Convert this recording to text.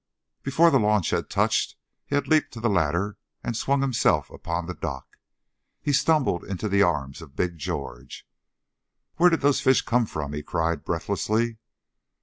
Before the launch had touched, he had leaped to the ladder and swung himself upon the dock. He stumbled into the arms of Big George. "Where did those fish come from?" he cried, breathlessly.